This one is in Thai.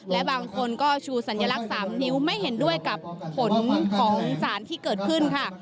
และบางคนก็ชูสัญลักษณ์๓นิ้วไม่เห็นด้วยกับผลของสารที่เกิดขึ้นค่ะ